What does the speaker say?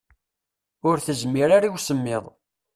Ur tezmir ara i usemmiḍ.